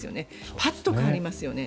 パッと変わりますよね。